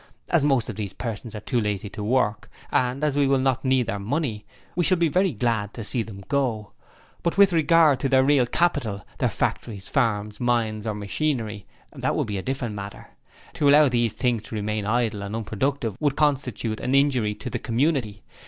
As most of these persons are too lazy to work, and as we will not need their money, we shall be very glad to see them go. But with regard to their real capital their factories, farms, mines or machinery that will be a different matter... To allow these things to remain idle and unproductive would constitute an injury to the community.